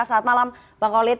selamat malam bang khalid